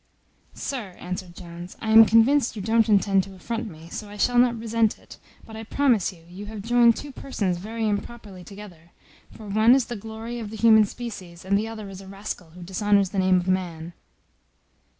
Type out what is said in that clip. "Sir," answered Jones, "I am convinced you don't intend to affront me, so I shall not resent it; but I promise you, you have joined two persons very improperly together; for one is the glory of the human species, and the other is a rascal who dishonours the name of man."